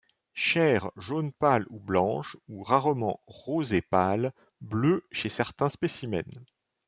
Chair jaune pâle ou blanche, ou rarement rosé pâle, bleue chez certains spécimens.